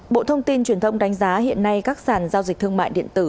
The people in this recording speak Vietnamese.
bộ thông tin truyền thông đánh giá hiện nay các sàn giao dịch thương mại điện tử